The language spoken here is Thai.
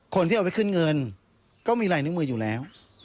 คนที่เอาไปขึ้นเงินก็มีลายนิ้วมืออยู่แล้ว